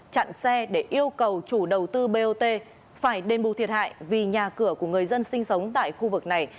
chặn xe để yêu cầu chủ đầu tư bot phải đền bù thiệt hại vì nhà cửa của người dân sinh sống tại khu vực này